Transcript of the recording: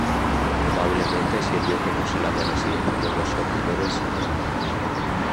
Probablemente sirvió como sala de residencia de los servidores y los guardas.